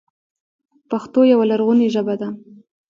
پښتو یوه لرغوني ژبه ده.